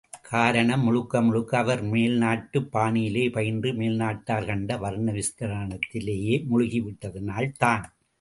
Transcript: காரணம் முழுக்க முழுக்க அவர் மேல் நாட்டுப் பாணியிலேயே பயின்று மேல் நாட்டார் கண்ட வர்ண விஸ்தாரணத்திலேயே முழுகிவிட்டதனால்தான்.